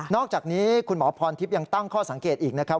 อกจากนี้คุณหมอพรทิพย์ยังตั้งข้อสังเกตอีกนะครับ